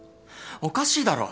おかしいだろ。